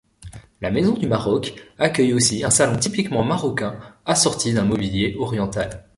La Maison du Maroc accueille aussi un salon typiquement marocain assorti d'un mobilier oriental.